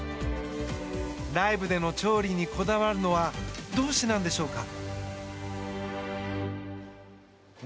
ライブでの調理にこだわるのはどうしてなんでしょうか？